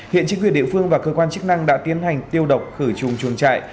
hiện chính quyền địa phương và cơ quan chức năng đã tiến hành tiêu độc khử trùng chuồng trại